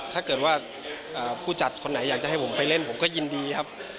ถ้าเกิดว่าผู้จัดคนไหนอยากจะให้ผมไปเล่นผมก็ยินดีครับ